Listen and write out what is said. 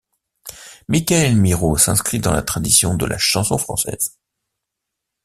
Mickaël Miro s'inscrit dans la tradition de la chanson française.